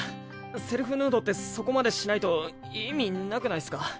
セルフヌードってそこまでしないと意味なくないっすか？